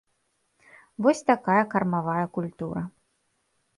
Вось такая кармавая культура.